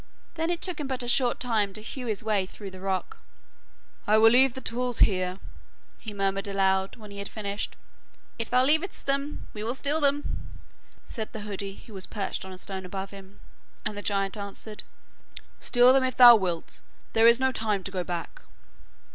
Then it took him but a short time to hew his way through the rock. 'I will leave the tools here,' he murmured aloud when he had finished. 'If thou leavest them, we will steal them,' said a hoodie who was perched on a stone above him, and the giant answered: 'Steal them if thou wilt; there is no time to go back.